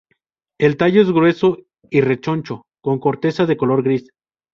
El tallo es grueso y rechoncho con corteza de color gris.